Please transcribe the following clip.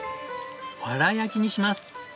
藁焼きにします。